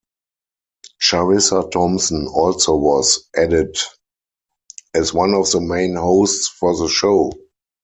Charissa Thompson also was added as one of the main hosts for the show.